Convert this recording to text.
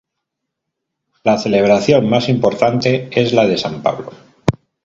La celebración más importante es la de San Pablo.